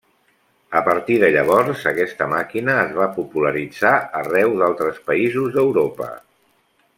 A partir de llavors aquesta màquina es va popularitzar arreu d'altres països d'Europa.